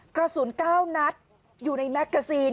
กระสุน๙นัดอยู่ในแมกกาซีน